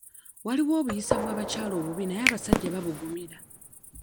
Waliwo obuyisa bw'abakyala obubi naye abasajja babugumira.